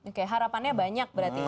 oke harapannya banyak berarti